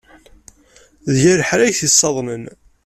D yir lḥal ay t-yessaḍnen.